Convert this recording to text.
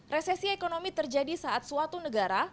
resesi ekonomi terjadi saat suatu negara